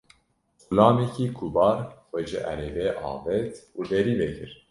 Xulamekî kubar xwe ji erebê avêt û derî vekir.